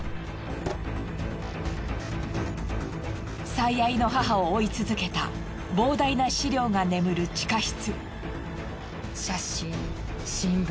最愛の母を追い続けた膨大な資料が眠る地下室。